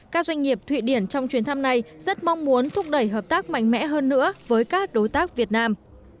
các doanh nghiệp thụy điển trong chuyến thăm này rất mong muốn thúc đẩy hợp tác mạnh mẽ hơn nữa với các đối tác việt nam